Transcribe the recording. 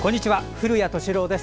古谷敏郎です。